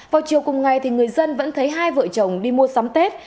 vào chiều cùng ngày thì người dân vẫn thấy hai vợ chồng đi mua sắm tết